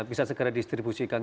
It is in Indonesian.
bisa segera distribusikan